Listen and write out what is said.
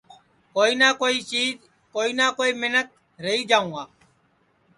کوئی نہ کوئی چیج کوئی نہ کوئی منکھ رہی جاؤں گا